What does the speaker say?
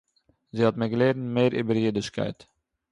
זי האָט מיר געלערנט מער איבער אידישקייט